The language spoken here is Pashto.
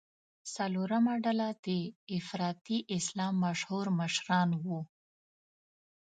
څلورمه ډله د افراطي اسلام مشهور مشران وو.